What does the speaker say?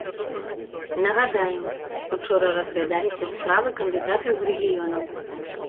Нагадаем, учора разглядаліся справы кандыдатаў з рэгіёнаў.